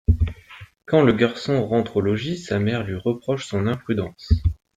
Quand le garçon rentre au logis, sa mère lui reproche son imprudence.